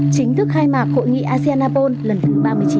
chính thức khai mạc hội nghị asean apol lần thứ ba mươi chín